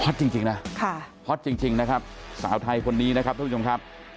จริงนะฮอตจริงนะครับสาวไทยคนนี้นะครับท่านผู้ชมครับ